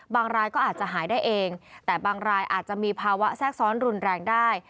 รายก็อาจจะหายได้เองแต่บางรายอาจจะมีภาวะแทรกซ้อนรุนแรงได้